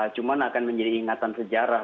cuma akan menjadi ingatan sejarah